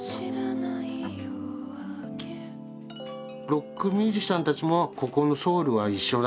ロックミュージシャンたちもここのソウルは一緒だろうなと思ってね